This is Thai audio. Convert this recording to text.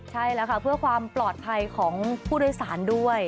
ใช่แล้วค่ะเพื่อความปลอดภัยของผู้โดยสารด้วย